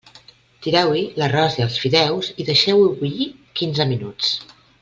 Tireu-hi l'arròs i els fideus i deixeu-ho bullir quinze minuts.